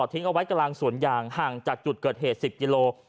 ทิ้งเอาไว้กลางสวนยางห่างจากจุดเกิดเหตุ๑๐กิโล